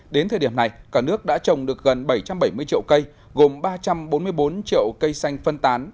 đến thời điểm này cả nước đã trồng được gần bảy trăm bảy mươi triệu cây gồm ba trăm bốn mươi bốn triệu cây xanh phân tán